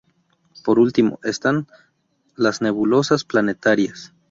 Por último, están las nebulosas planetarias.